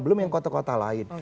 belum yang kota kota lain